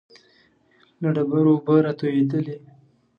له ډبرو اوبه را تويېدلې.